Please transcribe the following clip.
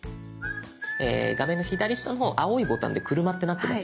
画面の左下の方青いボタンで「車」ってなってますよね。